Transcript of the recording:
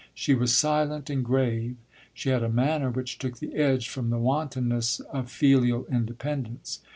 She was silent and grave; she had a manner which took the edge from the wantonness of filial independence.